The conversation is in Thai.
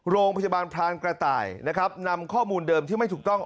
โรงพยาบาลพรานกระต่ายนะครับนำข้อมูลเดิมที่ไม่ถูกต้อง